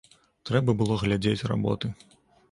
Трэба было глядзець работы.